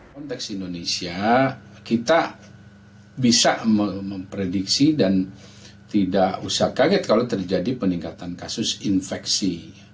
konteks indonesia kita bisa memprediksi dan tidak usah kaget kalau terjadi peningkatan kasus infeksi